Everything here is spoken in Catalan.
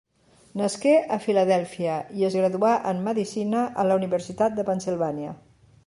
Nasqué a Filadèlfia i es graduà en medicina a la Universitat de Pennsilvània.